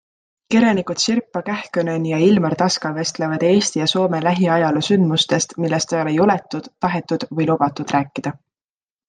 Kirjanikud Sirpa Kähkönen ja Ilmar Taska vestlevad Eesti ja Soome lähiajaloo sündmustest, millest ei ole juletud, tahetud või lubatud rääkida.